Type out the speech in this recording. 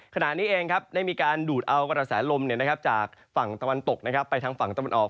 ขณะนี้เองได้มีการดูดเอากระแสลมจากฝั่งตะวันตกไปทางฝั่งตะวันออก